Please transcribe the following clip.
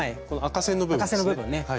この赤線の部分ですね。